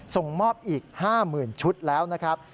ส่งมอบอีก๕๐๐๐ชุดแล้วนะครับ